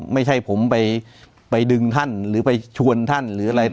ไม่ใช่ผมไปดึงท่านหรือไปชวนท่านหรืออะไร